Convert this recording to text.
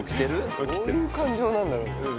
どういう感情なんだろう。